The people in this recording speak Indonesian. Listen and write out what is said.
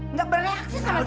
nggak bereaksi sama sekali